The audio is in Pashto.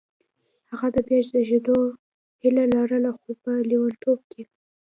هغه د بیا زېږېدو هیله لرله خو په لېونتوب کې